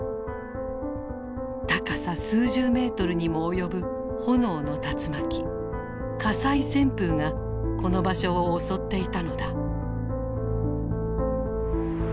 高さ数十ｍにも及ぶ炎の竜巻火災旋風がこの場所を襲っていたのだ。